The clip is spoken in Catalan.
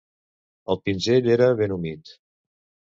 El pinzell era ben humit